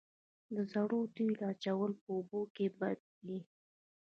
د زړو تیلو اچول په اوبو کې بد دي؟